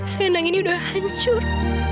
senang ini udah hancur